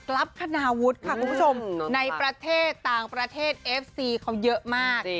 รับคณาวุฒิค่ะคุณผู้ชมในประเทศต่างประเทศเอฟซีเขาเยอะมาก